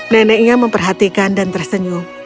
neneknya memperhatikan dan tersenyum